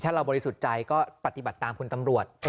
ถ้าเราบริสุทธิ์ใจก็ปฏิบัติตามคุณตำรวจ